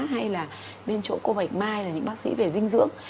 hay là bên chỗ cô bạch mai là những bác sĩ về dinh dưỡng